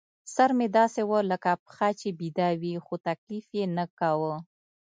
سر مې داسې و لکه پښه چې بېده وي، خو تکلیف یې نه کاوه.